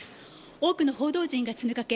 多くの報道陣が詰めかけ